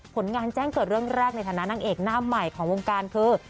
ผลงานแจ้งเกิดเรื่องแรกในฐานะนางเอกหน้าใหม่ของวงการคือ